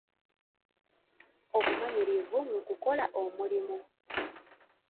Obumanyirivu mu kukola omulimu.